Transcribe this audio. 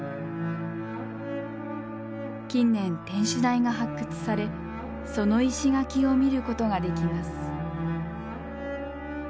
近年天守台が発掘されその石垣を見ることができます。